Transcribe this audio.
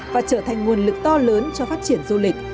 và trở thành nguồn lực to lớn cho phát triển du lịch